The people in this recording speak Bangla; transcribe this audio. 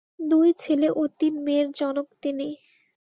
দুই ছেলে ও তিন মেয়ের জনক তিনি।